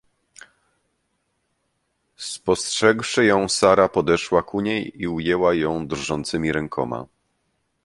Spostrzegłszy ją Sara podeszła ku niej i ujęła ją drżącymi rękoma.